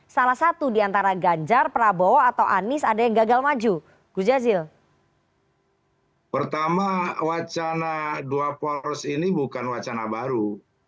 nah dua poros ini bukan wacana baru